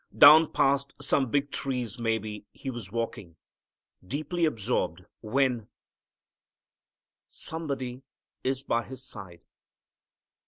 Down past some big trees maybe he was walking, deeply absorbed, when Somebody is by his side.